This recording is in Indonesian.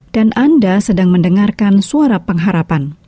dan anda sedang mendengarkan suara pengharapan